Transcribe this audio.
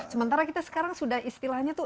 sementara kita sekarang sudah istilahnya tuh